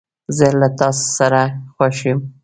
زه له تاسو سره خوښ یم.